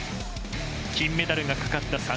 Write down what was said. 金メダルがかかった